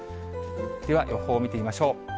では予報を見てみましょう。